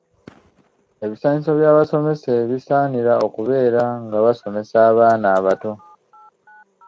Ebisaanyizo by’abasomesa abasaanira okubeera nga basomesa abaana abato.